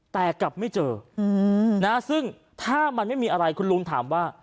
แต่กลับไม่เจอซึ่งถ้ามันไม่มีอะไรคุณลุงถามว่า